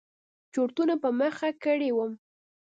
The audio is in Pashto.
چورتونو په مخه کړى وم.